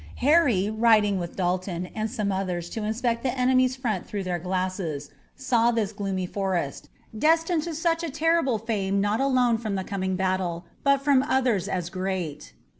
Harry, riding with Dalton and some others to inspect the enemy's front through their glasses, saw this gloomy forest, destined to such a terrible fame not alone from the coming battle, but from others as great.